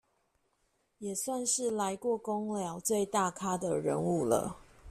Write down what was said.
也算是來過工寮最大咖的人物了